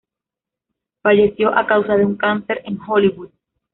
Falleció a causa de un cáncer en Hollywood.